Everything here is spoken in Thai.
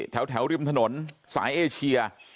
แถวริมถนนสายเอเชีย